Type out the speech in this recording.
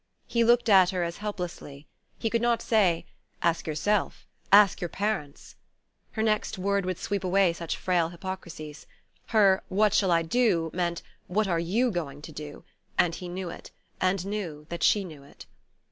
He looked at her as helplessly. He could not say: "Ask yourself ask your parents." Her next word would sweep away such frail hypocrisies. Her "What shall I do?" meant "What are you going to do?" and he knew it, and knew that she knew it.